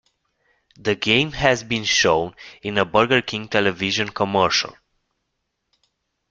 The game has been shown in a Burger King television commercial.